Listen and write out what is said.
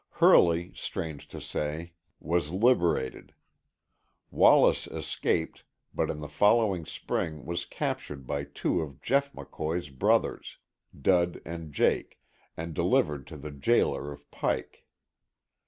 Hurley, strange to say, was liberated. Wallace escaped, but in the following spring was captured by two of Jeff McCoy's brothers, Dud and Jake, and delivered to the jailer of Pike.